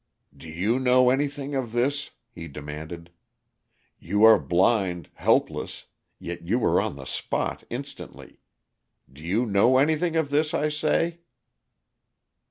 "Do you know anything of this?" he demanded. "You are blind, helpless; yet you were on the spot instantly. Do you know anything of this, I say?"